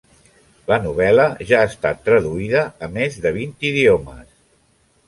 La novel·la ja ha estat traduïda a més de vint idiomes.